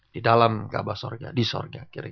di dalam kaabah sorgawi di sorgawi